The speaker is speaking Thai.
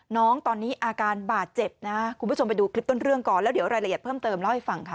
น้องตอนนี้อาการบาดเจ็บนะคุณผู้ชมไปดูคลิปต้นเรื่องก่อนแล้วเดี๋ยวรายละเอียดเพิ่มเติมเล่าให้ฟังค่ะ